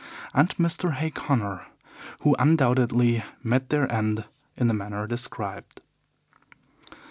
and Mr. Hay Connor, who undoubtedly met their end in the manner described.